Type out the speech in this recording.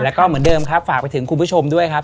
แล้วก็เหมือนเดิมครับฝากไปถึงคุณผู้ชมด้วยครับ